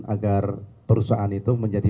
agar perusahaan itu menjadi